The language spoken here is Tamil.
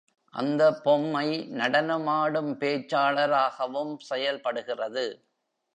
அந்த பொம்மை நடனமாடும் பேச்சாளராகவும் செயல்படுகிறது.